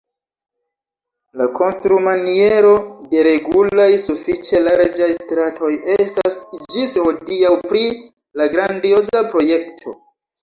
La konstrumaniero de regulaj, sufiĉe larĝaj stratoj atestas ĝis hodiaŭ pri la grandioza projekto.